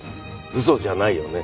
嘘じゃないよね？